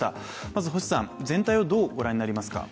まず星さん、全体をどう御覧になりますか？